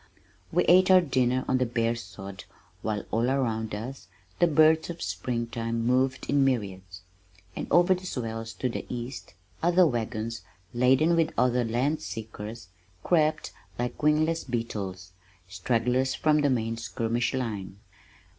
We ate our dinner on the bare sod while all around us the birds of spring time moved in myriads, and over the swells to the east other wagons laden with other land seekers crept like wingless beetles stragglers from the main skirmish line.